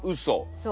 そう。